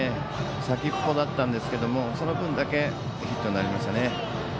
先っぽだったんですがその分だけヒットになりました。